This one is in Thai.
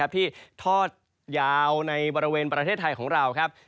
ที่ทอดยาวในบริเวณประเทศไทยของเราครับ